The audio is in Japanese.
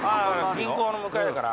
銀行の向かいだから。